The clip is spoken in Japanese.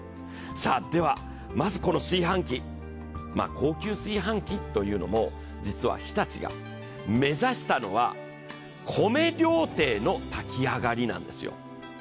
では、まずこの炊飯器、高級炊飯器というのも、実は日立が目指したのは、米料亭の炊き上がりなんですよ。